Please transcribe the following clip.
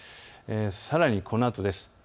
さらにこのあとです。